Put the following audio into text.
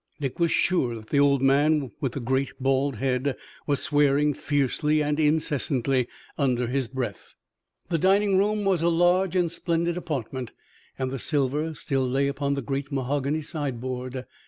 Dick was sure that the old man with the great bald head was swearing fiercely and incessantly under his breath. The dining room was a large and splendid apartment, and the silver still lay upon the great mahogany sideboard.